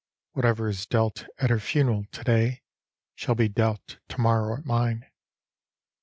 Whatever is dealt at her funeral to day, Shall be dealt to moirow at mine!